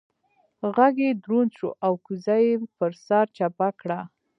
غږ يې دروند شو او کوزه يې پر سر چپه کړه.